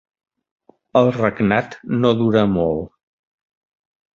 El regnat no dura molt.